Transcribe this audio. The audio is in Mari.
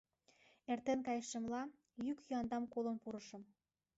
Эртен кайшемла, йӱк-йӱандам колын пурышым.